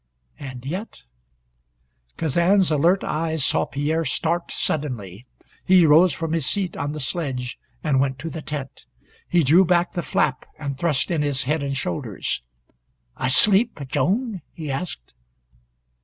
And yet Kazan's alert eyes saw Pierre start suddenly. He rose from his seat on the sledge and went to the tent. He drew back the flap and thrust in his head and shoulders. "Asleep, Joan?" he asked.